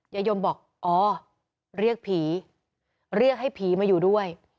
ยมบอกอ๋อเรียกผีเรียกให้ผีมาอยู่ด้วย